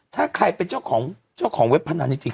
ถ้าใครเป็นเจ้าของเว็บพนันในจริง